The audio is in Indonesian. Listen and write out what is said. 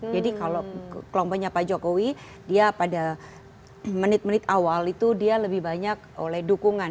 jadi kalau kelompoknya pak jokowi dia pada menit menit awal itu dia lebih banyak oleh dukungan